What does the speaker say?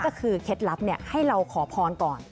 ก็คือเคล็ดลับให้เราขอพรก่อน